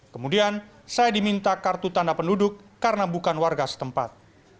kemudian saya diminta kartu tanda penduduk karena bukan warga setempat